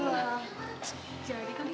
tuh jadi kali